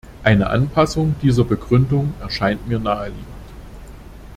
Eine Anpassung dieser Begründung erscheint mir naheliegend.